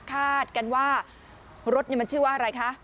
กันว่ารถนี่มันชื่อว่าอะไรคะ